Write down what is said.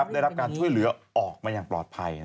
ได้รับการช่วยเหลือออกมาอย่างปลอดภัย